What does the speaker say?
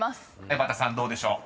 ［江畑さんどうでしょう？］